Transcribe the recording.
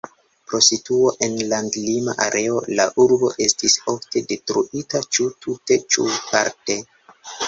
Pro situo en landlima areo la urbo estis ofte detruita ĉu tute ĉu parte.